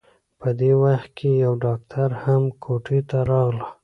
په دې وخت کې يوه ډاکټره هم کوټې ته راغله.